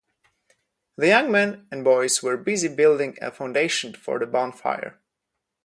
The young men and boys were busy building a foundation for the bonfire.